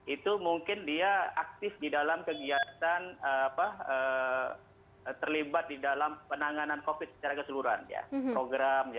itu mungkin dia aktif di dalam kegiatan terlibat di dalam penanganan covid secara keseluruhan